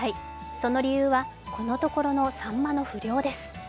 その理由は、このところのさんまの不漁です。